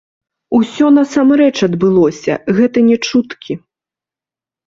Усё насамрэч адбылося, гэта не чуткі.